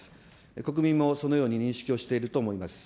国民もそのように認識をしていると思います。